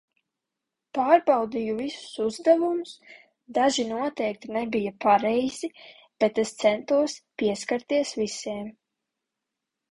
Pārbaudīju visus uzdevumus. Daži noteikti nebija pareizi, bet es centos pieskarties visiem.